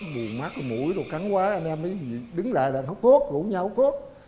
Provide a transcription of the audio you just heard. buồn mát mũi rồi cắn quá anh em mới đứng lại là hút hút rủ nhau hút hút